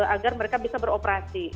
agar mereka bisa beroperasi